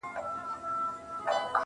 • اې د قوتي زلفو مېرمني در نه ځمه سهار_